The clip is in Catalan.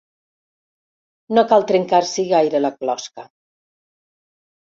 No cal trencar-s'hi gaire la closca.